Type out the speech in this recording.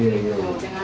jadi kami nggak puas pak